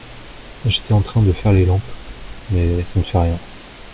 J’étais en train de faire les lampes… mais ça ne fait rien.